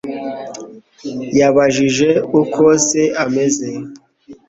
Yabajije uko se ameze